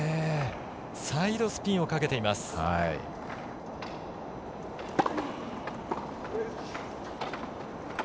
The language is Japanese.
サイドスピンをかけていました。